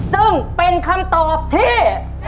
ซึ่งเป็นคำตอบที่